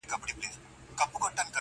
سمدستي یې سوه تېره چاړه تر غاړه -